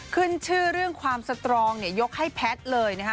ขึ้นชื่อเรื่องความสตรองเนี่ยยกให้แพทย์เลยนะคะ